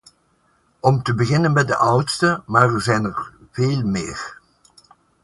Om te beginnen met de oudste, maar er zijn er veel meer.